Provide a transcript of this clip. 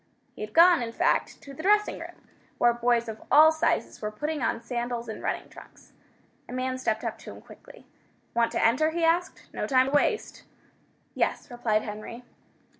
He had gone, in fact, to the dressing room, where boys of all sizes were putting on sandals and running trunks. A man stepped up to him quickly. "Want to enter?" he asked. "No time to waste." "Yes," replied Henry.